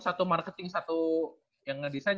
satu marketing satu yang ngedesain